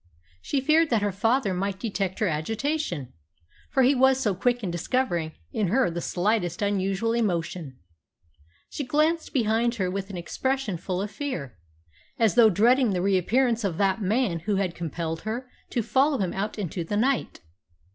She feared that her father might detect her agitation, for he was so quick in discovering in her the slightest unusual emotion. She glanced behind her with an expression full of fear, as though dreading the reappearance of that man who had compelled her to follow him out into the night.